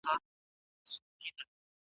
د دفاع کمېسیون مسؤلیت څه دی؟